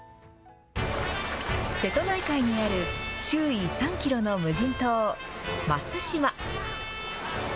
瀬戸内海にある周囲３キロの無人島、松島。